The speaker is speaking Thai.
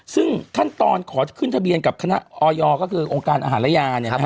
ซึ่งขั้นตอนขอขึ้นทะเบียนกับคณะออยก็คือองค์การอาหารระยา